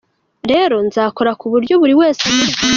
Rero nzakora ku buryo buri wese anyurwa.